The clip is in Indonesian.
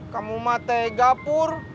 kamu matai gapur